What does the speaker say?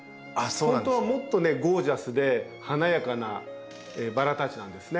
本当はもっとねゴージャスで華やかなバラたちなんですね。